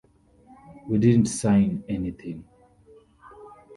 We didn't sign anything.